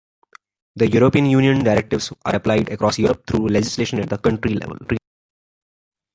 The European Union directives are applied across Europe through legislation at the country level.